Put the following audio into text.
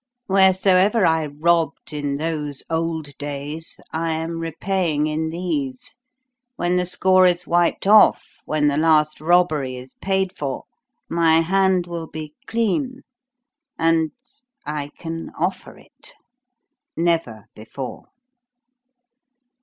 Wheresoever I robbed in those old days, I am repaying in these. When the score is wiped off, when the last robbery is paid for, my hand will be clean, and I can offer it; never before."